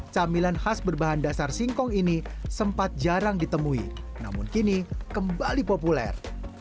camilan khas berbahan dasar singkong ini sempat jarang ditemui namun kini kembali populer